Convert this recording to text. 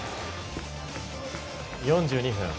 ４２分。